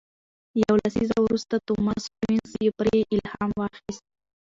یو لسیزه وروسته توماس سټيونز پرې الهام واخیست.